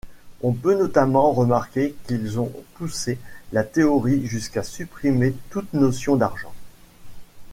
On peut notamment remarquer qu'ils ont poussé la théorie jusqu'à supprimer toute notion d'argent.